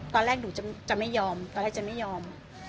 ตอนแรกหนูจะไม่ยอมตอนแรกจะไม่ยอม